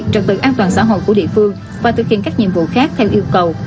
trật tự an toàn xã hội của địa phương và thực hiện các nhiệm vụ khác theo yêu cầu